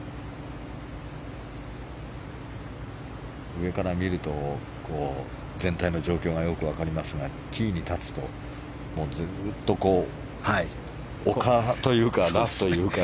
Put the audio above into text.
上から見ると全体の状況がよく分かりますがティーに立つとずっと丘というかラフというか。